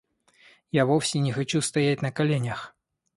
Я вовсе не хочу стоять на коленях.